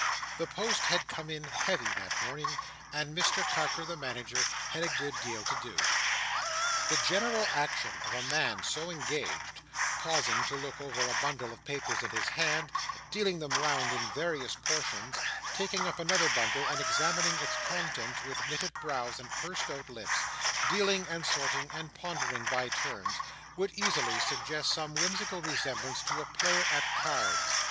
The post had come in heavy that morning, and Mr Carker the Manager had a good deal to do. The general action of a man so engaged—pausing to look over a bundle of papers in his hand, dealing them round in various portions, taking up another bundle and examining its contents with knitted brows and pursed out lips—dealing, and sorting, and pondering by turns—would easily suggest some whimsical resemblance to a player at cards.